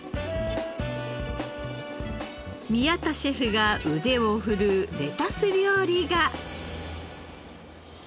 宮田シェフが腕を振るうレタス料理が。